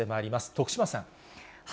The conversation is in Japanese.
徳島さん。